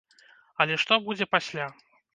Але што будзе пасля?